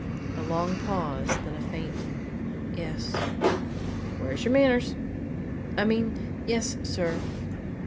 A long pause, then a faint, "Yes." "Where's your manners?" "I mean yes, sir."